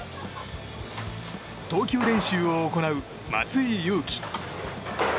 投球練習を行う松井裕樹。